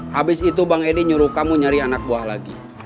habis itu bang edi nyuruh kamu nyari anak buah lagi